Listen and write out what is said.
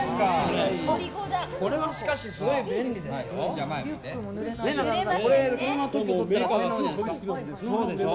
これはしかし、すごい便利ですよ。